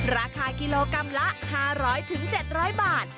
ราคากิโลกรัมละ๕๐๐๗๐๐บาท